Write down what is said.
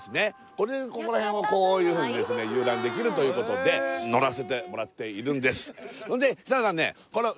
これでここら辺をこういうふうに遊覧できるということで乗らせてもらっているんです設楽さんね